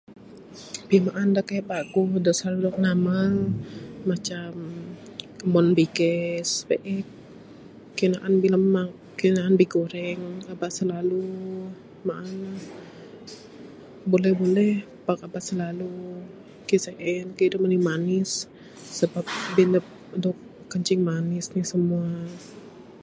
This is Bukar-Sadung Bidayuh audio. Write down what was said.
Pimaan da kaik paguh da silalu dog namal, macam umon bi'gas, kayuh naan bilamak, aba simua, kayuh naan bigureng, aba silalu maan, buleh-buleh pak aba silalu, kayuh sien, kayuh da manis-manis sebab, bin adep udog kencing manis, anih simua.